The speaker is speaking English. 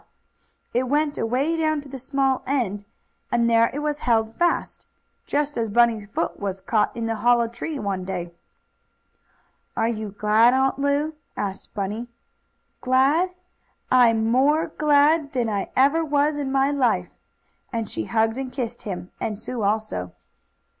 It went away down to the small end, and there it was held fast, just as Bunny's foot was caught in the hollow tree one day." "Are you glad, Aunt Lu?" asked Bunny. "Glad? I'm more glad than I ever was in my life!" and she hugged and kissed him, and Sue also.